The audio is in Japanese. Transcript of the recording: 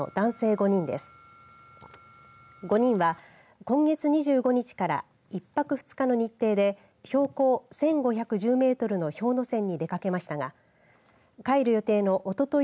５人は今月２５日から１泊２日の日程で標高１５１０メートルの氷ノ山に出かけましたが帰る予定のおととい